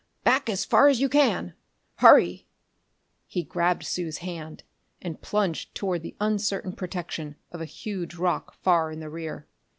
"Back as far as you can! Hurry!" He grabbed Sue's hand and plunged toward the uncertain protection of a huge rock far in the rear.